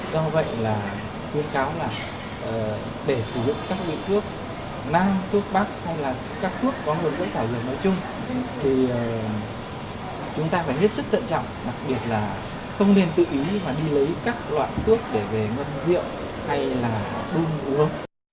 để sử dụng các loại thuốc năng thuốc bắc hay là các thuốc có hướng dẫn thảo dược nói chung thì chúng ta phải hết sức tận trọng đặc biệt là không nên tự ý mà đi lấy các loại thuốc để về ngân rượu hay là đun uống